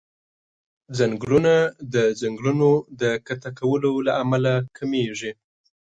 ځنګلونه د ځنګلونو د قطع کولو له امله کميږي.